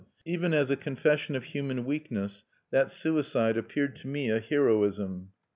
Even as a confession of human weakness, that suicide appeared to me a heroism.